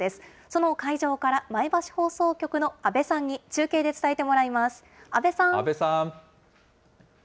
その会場から前橋放送局の阿部さんに中継で伝えてもらいます。